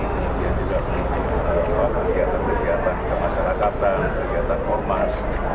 kemudian juga kegiatan kegiatan kemasyarakatan kegiatan ormas